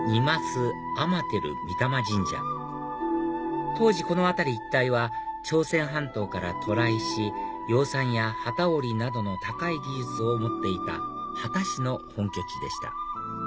坐天照御魂神社当時この辺り一帯は朝鮮半島から渡来し養蚕や機織りなどの高い技術を持っていた秦の本拠地でした